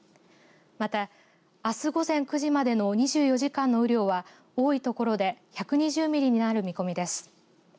また、あす午前９時までの２４時間の雨量は多い所で１２０ミリになる見込みです。